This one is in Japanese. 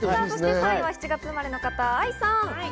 ３位は７月生まれの方、愛さん。